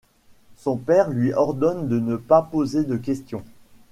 Son père lui ordonne de ne pas poser de questions.